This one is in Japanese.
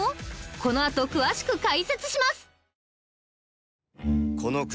このあと詳しく解説します。